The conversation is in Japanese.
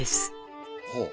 ほう。